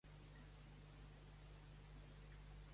El nom és Judith: jota, u, de, i, te, hac.